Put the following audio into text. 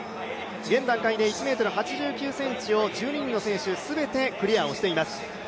現段階で１ｍ８９ｃｍを１２人の選手全て、クリアをしています。